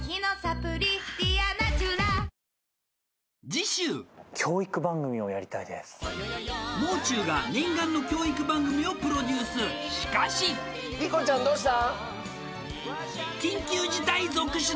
次週もう中が念願の教育番組をプロデュースしかしりこちゃんどうした？